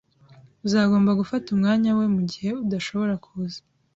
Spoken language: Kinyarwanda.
Uzagomba gufata umwanya we mugihe adashobora kuza.